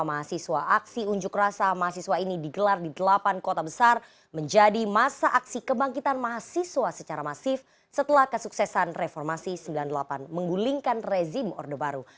dua puluh mahasiswa aksi unjuk rasa mahasiswa ini digelar di delapan kota besar menjadi masa aksi kebangkitan mahasiswa secara masif setelah kesuksesan reformasi sembilan puluh delapan menggulingkan rezim orde baru